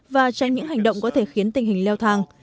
và tránh những hành động có thể khiến tình hình leo thang